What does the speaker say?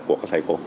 của các thầy cô